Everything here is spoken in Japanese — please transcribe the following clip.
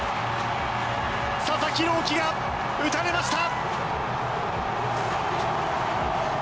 佐々木朗希が打たれました！